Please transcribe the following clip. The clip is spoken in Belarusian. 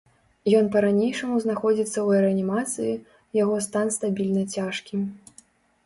Ён па-ранейшаму знаходзіцца ў рэанімацыі, яго стан стабільна цяжкі.